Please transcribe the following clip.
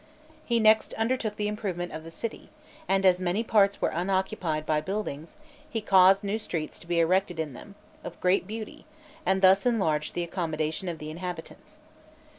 He next undertook the improvement of the city, and as many parts were unoccupied by buildings, he caused new streets to be erected in them, of great beauty, and thus enlarged the accommodation of the inhabitants.